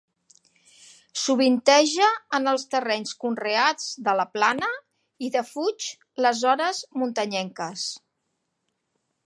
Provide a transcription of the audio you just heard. Sovinteja en els terrenys conreats de la plana i defuig les zones muntanyenques.